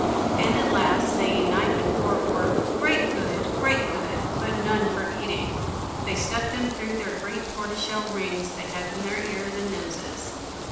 And at last, saying the knife and fork were "great good great good; but none for eating," they stuck them through the great tortoiseshell rings they had in their ears and noses.